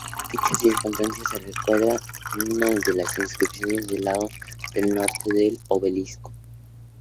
Dicha circunstancia se recuerda en una de las inscripciones del lado norte del Obelisco.